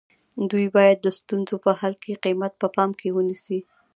دوی باید د ستونزو په حل کې قیمت په پام کې ونیسي.